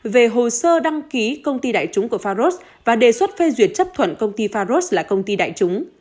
về hồ sơ đăng ký công ty đại chúng của faros và đề xuất phê duyệt chấp thuận công ty faros là công ty đại chúng